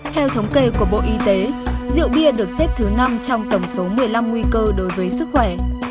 theo thống kê của bộ y tế rượu bia được xếp thứ năm trong tổng số một mươi năm nguy cơ đối với sức khỏe